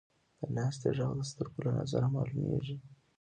د ناستې ږغ د سترګو له نظره معلومېږي.